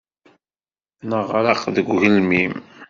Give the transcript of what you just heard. Neɣreq deg ugelmim.